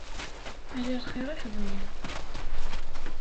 Ala lxir i ixeddem.